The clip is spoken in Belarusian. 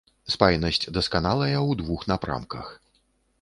Спайнасць дасканалая ў двух напрамках.